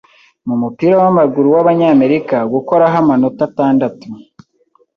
Mu mupira wamaguru wabanyamerika, gukoraho amanota atandatu.